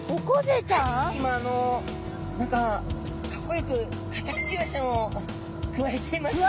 今あの何かかっこよくカタクチイワシちゃんをくわえていますね。